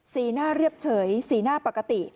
สีหน้าเรียบเฉยสีหน้าปกติ